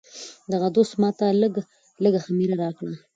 دغه دوست ماته لږه خمیره راکړه.